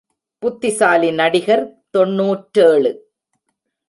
புத்திசாலி நடிகர் தொன்னூற்றேழு.